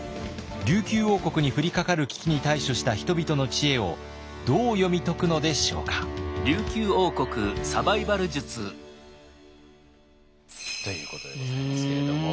琉球王国に降りかかる危機に対処した人々の知恵をどう読み解くのでしょうか？ということでございますけれども。